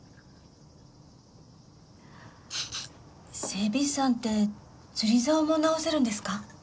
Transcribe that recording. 整備士さんって釣り竿も直せるんですか？